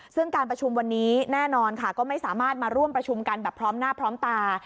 ซึ่งการประชุมวันนี้แน่นอนค่ะก็ไม่สามารถมาร่วมประชุมกันแบบพร้อมหน้าพร้อมตา